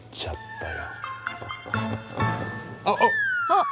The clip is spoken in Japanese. あっ！